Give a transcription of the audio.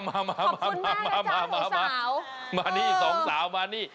ขอบคุณมากนะจ๊ะสองสาวมานี่สองสาวมานี่